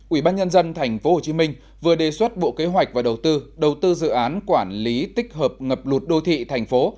ủy ban nhân dân tp hcm vừa đề xuất bộ kế hoạch và đầu tư đầu tư dự án quản lý tích hợp ngập lụt đô thị thành phố